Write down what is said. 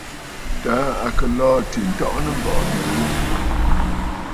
Taà à kɨ̀ lɔ̀ɔ̂ àtì ǹtɔʼɔ nɨ̂ŋgɔ̀ɔ̀ nya ghu.